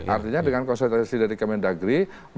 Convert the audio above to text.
artinya dengan konsultasi dari kemendagri